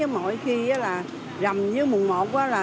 mỗi khi là rằm dưới mùng một